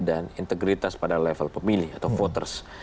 dan integritas pada level pemilih atau voters